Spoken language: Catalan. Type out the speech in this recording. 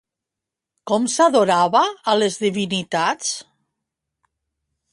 Com s'adorava a les divinitats?